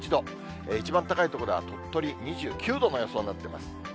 一番高い所では鳥取２９度の予想になってます。